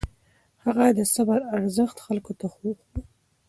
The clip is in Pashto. هغه د صبر ارزښت خلکو ته ښووه.